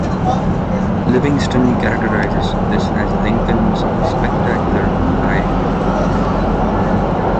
Livingston characterizes this as Lincoln's Spectacular Lie.